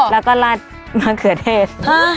แล้วก็ลาดมะเขือเทศ